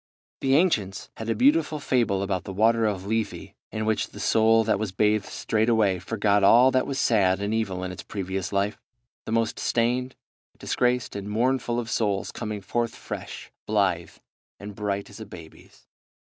The ancients had a beautiful fable about the water of Lethe, in which the soul that was bathed straightway forgot all that was sad and evil in its previous life; the most stained, disgraced, and mournful of souls coming forth fresh, blithe, and bright as a baby's.